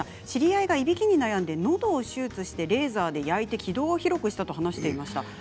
知り合いがいびきに悩んでのどを手術してレーザーで焼いて気道を広くしたと言っていました。